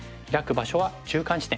場所は中間地点。